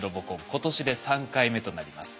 今年で３回目となります。